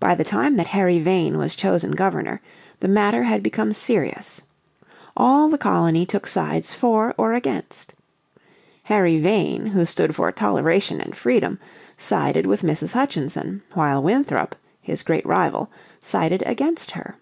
By the time that Harry Vane was chosen Governor the matter had become serious. All the colony took sides for or against. Harry Vane, who stood for toleration and freedom, sided with Mrs. Hutchinson, while Winthrop, his great rival, sided against her.